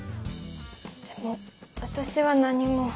でも私は何も。